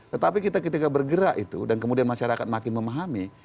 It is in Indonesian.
tetapi kita ketika bergerak itu dan kemudian masyarakat makin memahami